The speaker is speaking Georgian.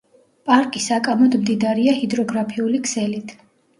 პარკი საკამოდ მდიდარია ჰიდროგრაფიული ქსელით.